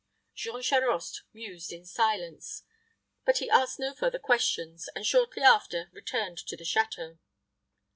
Jean Charost mused in silence; but he asked no further questions, and shortly after returned to the château.